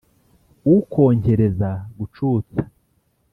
ukonkereza gucutsa